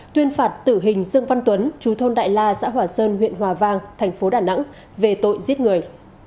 tuyên phạt tử hình dương văn tuấn chú thôn đại la xã hỏa sơn huyện hòa vang tp đà nẵng về tội giết người